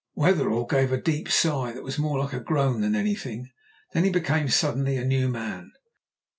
Wetherell gave a deep sigh that was more like a groan than anything; then he became suddenly a new man.